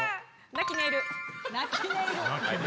泣きネイル